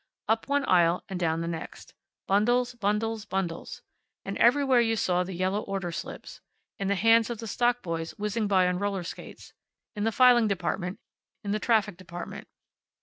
Up one aisle and down the next. Bundles, bundles, bundles. And everywhere you saw the yellow order slips. In the hands of the stock boys whizzing by on roller skates; in the filing department; in the traffic department.